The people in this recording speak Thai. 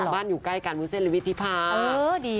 บ้านอยู่ใกล้กันวุ้นเซ็นลิวิธิภาค